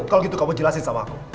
kalau gitu kamu jelasin sama aku